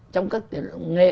trong các tiền lượng nghệ